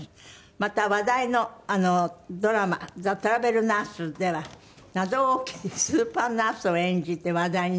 また話題のドラマ『ザ・トラベルナース』では謎多きスーパーナースを演じて話題になっているという。